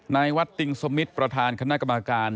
นายวัดติงสมิตรประธานคณะกรรมการ